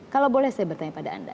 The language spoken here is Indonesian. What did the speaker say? kalau boleh saya bertanya pada anda